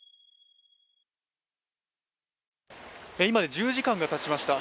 今、１０時間がたちました。